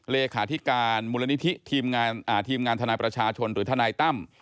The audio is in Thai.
เลขาธิการมูลนิธิทีมงานทนายประชาชนหรือทนายตั้ม